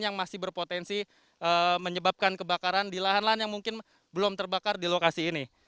yang masih berpotensi menyebabkan kebakaran di lahan lahan yang mungkin belum terbakar di lokasi ini